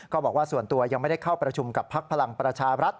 ก็บอกว่าส่วนตัวยังไม่ได้เข้าประชุมกับพักพลังประชารัฐ